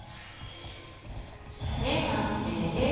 こちらで完成です。